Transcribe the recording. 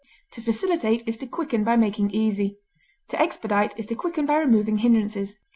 To facilitate is to quicken by making easy; to expedite is to quicken by removing hindrances.